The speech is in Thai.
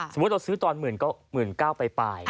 สมมุติเราซื้อตอนหมื่นก็หมื่นเก้าไป